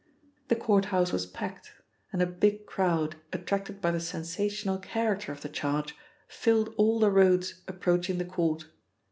The court house was packed, and a big crowd, attracted by the sensational character of the charge, filled all the roads approaching the court.